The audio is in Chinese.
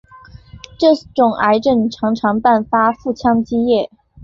这种癌症常常伴发腹腔积液。